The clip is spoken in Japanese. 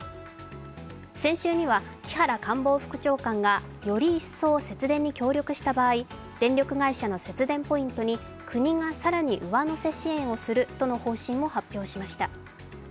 先週には、木原官房副長官がより一層節電に協力した場合電力会社の節電ポイントに国が更に上乗せ支援をするとの方針を発表しました。